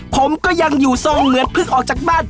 ผมก็ยังอยู่ทรงเหมือนเพิ่งออกจากบ้าน